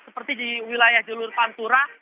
seperti di wilayah jalur pantura